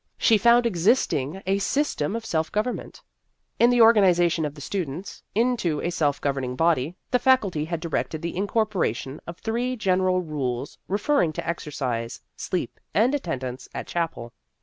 She found existing a system of self government. In the organ ization of the students into a self govern ing body, the Faculty had directed the incorporation of three general rules refer ring to exercise, sleep, and attendance at chapel.